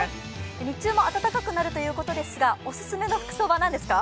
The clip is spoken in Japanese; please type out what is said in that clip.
日中も暖かくなるということですが、お勧めの服装は何ですか？